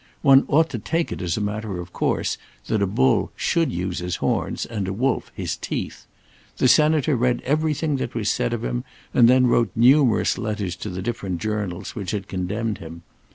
One ought to take it as a matter of course that a bull should use his horns, and a wolf his teeth. The Senator read everything that was said of him, and then wrote numerous letters to the different journals which had condemned him.